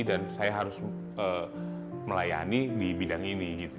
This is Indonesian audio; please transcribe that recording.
saya harus melayani di bidang ini gitu